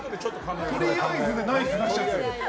とりあえずでナイス出しちゃってる。